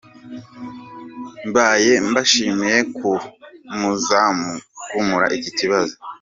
Mbaye mbashimiye ko muzamkemura iki kibazo.”